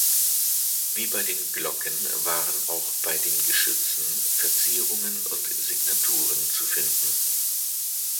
Wie bei den Glocken waren auch bei den Geschützen Verzierungen und Signaturen zu finden.